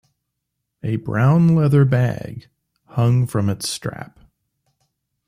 A brown leather bag hung from its strap.